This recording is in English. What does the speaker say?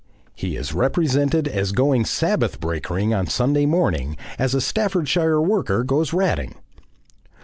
He is represented as going Sabbath breakering on Sunday morning as a Staffordshire worker goes ratting.